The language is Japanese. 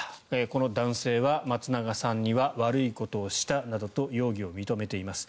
この男性は、松永さんには悪いことをしたなどと容疑を認めています。